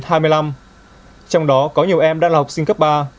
trong đó có nhiều em đang là học sinh cấp ba